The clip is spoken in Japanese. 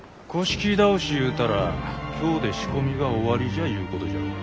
倒しゆうたら今日で仕込みが終わりじゃゆうことじゃろうが。